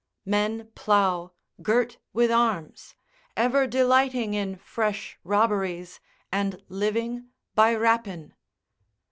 ["Men plough, girt with arms; ever delighting in fresh robberies, and living by rapine."